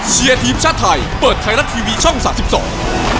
เชียร์ทีมชาติไทยเปิดไทยรัฐทีวีช่องสามสิบสอง